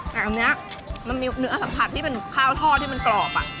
แต่อันนี้มันมีเนื้อสัมผัสที่เป็นข้าวทอดที่มันกรอบ